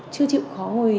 chưa chịu khó ngồi